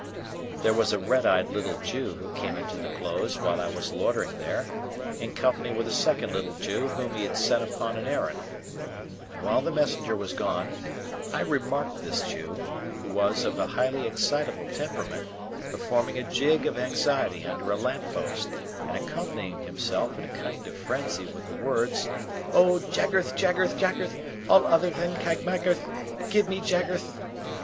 There was a red eyed little Jew who came into the Close while I was loitering there, in company with a second little Jew whom he sent upon an errand; and while the messenger was gone, I remarked this Jew, who was of a highly excitable temperament, performing a jig of anxiety under a lamp post and accompanying himself, in a kind of frenzy, with the words, "O Jaggerth, Jaggerth, Jaggerth! all otherth ith Cag Maggerth, give me Jaggerth!"